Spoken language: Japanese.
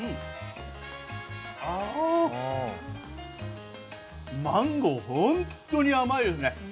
あ、マンゴー、ホントに甘いですね。